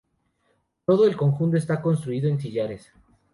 Todo el conjunto está construido en sillares.